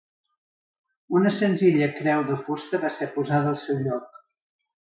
Una senzilla creu de fusta va ser posada al seu lloc.